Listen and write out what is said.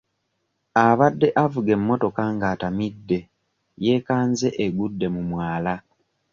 Abadde avuga emmotoka ng'atamidde yeekanze egudde mu mwala.